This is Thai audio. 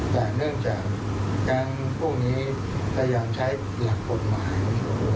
แต่เนื่องจากแก๊งพวกนี้พยายามใช้หลักกฎหมายใช้ทนายในการต่อสู้